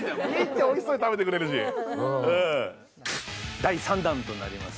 第３弾となります